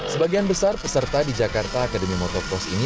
sebagian besar peserta di jakarta akademi motorcross ini